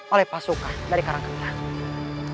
oleh pasukan dari karangkandang